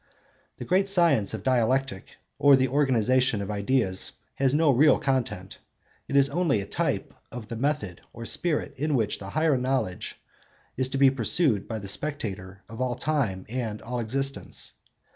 The great science of dialectic or the organisation of ideas has no real content; but is only a type of the method or spirit in which the higher knowledge is to be pursued by the spectator of all time and all existence.